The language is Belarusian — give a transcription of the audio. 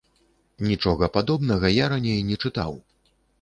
Нічога падобнага я раней не чытаў.